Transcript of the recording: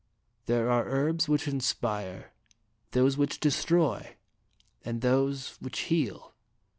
There are herbs which inspire, those which destroy, and those which heal.